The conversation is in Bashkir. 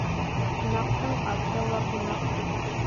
Ҡунаҡтың аты ла ҡунаҡ.